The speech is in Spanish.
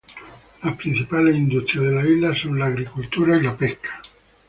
Las principales industrias de la isla son la agricultura y la pesca.